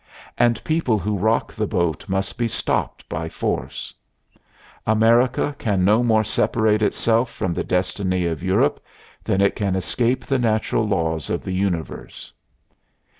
And people who rock the boat must be stopped by force. America can no more separate itself from the destiny of Europe than it can escape the natural laws of the universe.